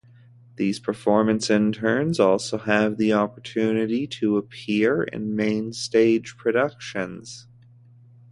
These performance interns also have the opportunity to appear in Mainstage productions.